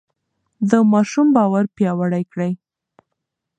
د ماشوم باور پیاوړی کړئ.